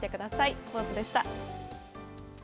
スポーツでした。